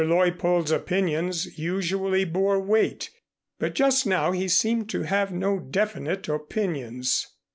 Leuppold's opinions usually bore weight, but just now he seemed to have no definite opinions.